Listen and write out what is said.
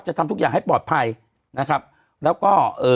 ทำทุกอย่างให้ปลอดภัยนะครับแล้วก็เอ่อ